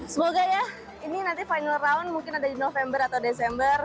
semoga ya ini nanti final round mungkin ada di november atau desember